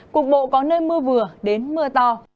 cục bộ có nơi mưa vừa đến mưa to